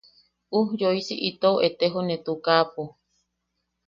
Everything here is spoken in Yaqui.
Ujyoisi itou etejone tukaapo.